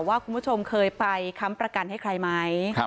ว่าคุณผู้ชมเคยไปค้ำประกันให้ใครไหม